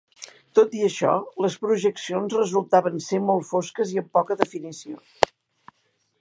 Tot i això, les projeccions resultaven ser molt fosques i amb poca definició.